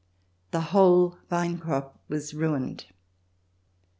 The whole vine crop was ruined.